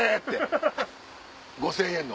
５０００円の。